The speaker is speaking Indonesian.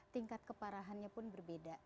tingkat keparahannya pun berbeda